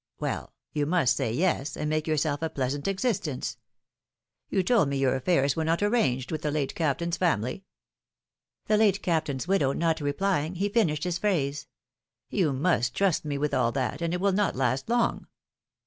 Well, you must say yes, and make yourself a pleasant existence. You told me your affairs were not arranged with the late Captain^s family The late Captain's widow not replying, he finished his phrase : You must trust me with all that, and it will not last long